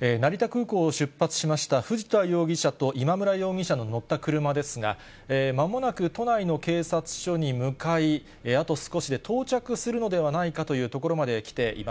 成田空港を出発しました藤田容疑者と今村容疑者の乗った車ですが、まもなく都内の警察署に向かい、あと少しで到着するのではないかという所まで来ています。